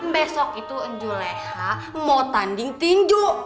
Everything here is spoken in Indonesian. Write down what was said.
besok itu juleha mau tanding tinju